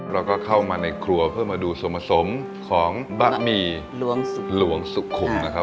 แล้วก็เข้ามาในครัวเพื่อมาดูส่วนผสมของบะหมี่หลวงสุขุมนะครับ